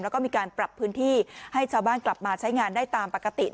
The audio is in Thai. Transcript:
แล้วก็มีการปรับพื้นที่ให้ชาวบ้านกลับมาใช้งานได้ตามปกติ